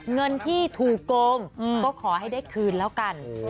เงินที่ถูกโกงก็ขอให้ได้คืนแล้วกัน